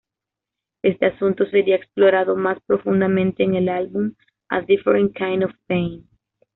Este asunto sería explorado más profundamente en el álbum "A Different Kind Of Pain".